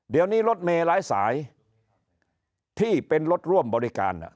เดี๋ยวนี้รถเมย์หลายสายที่เป็นรถร่วมบริการ